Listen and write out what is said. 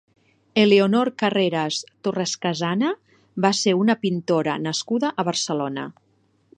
Eleonor Carreras Torrescasana va ser una pintora nascuda a Barcelona.